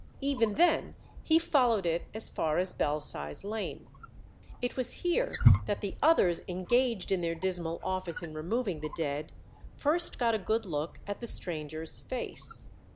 Even then he followed it as far as Belsize Lane. It was here that the others engaged in their dismal office in removing the dead first got a good look at the stranger's face.